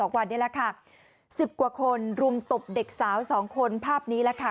๑๐กว่าคนรุมตบเด็กสาว๒คนภาพนี้ค่ะ